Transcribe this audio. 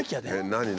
何？